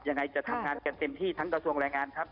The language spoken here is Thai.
ยังไงจะทำงานกันเต็มที่ทั้งกระทรวงแรงงานครับ